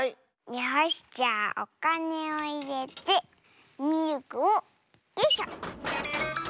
よしじゃあおかねをいれてミルクをよいしょ！